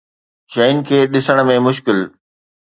شين کي ڏسڻ ۾ مشڪل